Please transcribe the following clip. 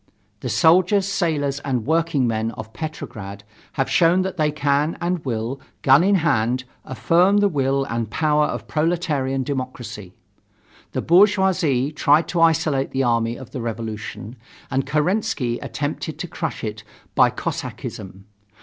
The soldiers, sailors and workingmen of Petrograd have shown that they can and will, gun in hand, affirm the will and power of proletarian democracy. The bourgeoisie tried to isolate the army of the revolution and Kerensky attempted to crush it by Cossackism.